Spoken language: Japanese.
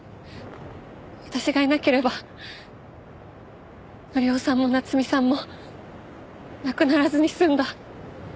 私がいなければ紀夫さんも夏美さんも亡くならずに済んだ。